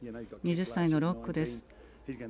２０歳のロックです。